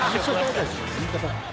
言い方。